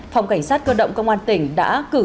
phòng cảnh sát cơ động công an tỉnh đã cử